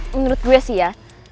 menurut gue sih ya